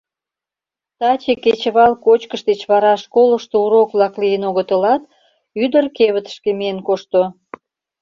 Таче кечывал кочкыш деч вара школышто урок-влак лийын огытылат, ӱдыр кевытышке миен кошто.